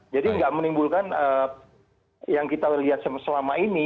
jadi nggak menimbulkan yang kita lihat selama ini